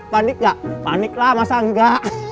panik gak panik lah masa angga